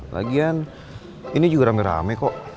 lagian ini juga rame rame kok